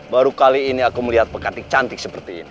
baru kali ini aku melihat pekantik cantik seperti ini